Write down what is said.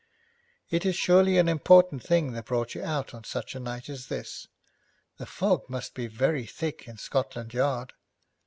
'It is surely an important thing that brought you out on such a night as this. The fog must be very thick in Scotland Yard.'